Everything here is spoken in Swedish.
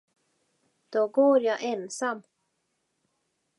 Då går jag ensam.